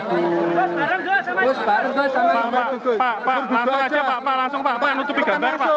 ditunjukkan gus gus gus sama ipul pak